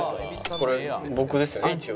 これ僕ですよね一応ね。